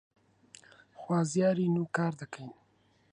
خوازیارین و کار دەکەین